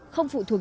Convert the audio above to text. không phụ thuộc